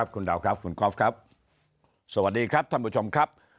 ขอบคุณครับคุณดาวครับคุณกอล์ฟครับ